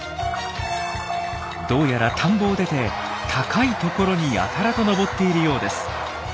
どうやら田んぼを出て高いところにやたらと登っているようです。